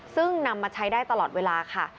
ซึ่งนำมาใช้ได้ตลอดเวลาค่ะ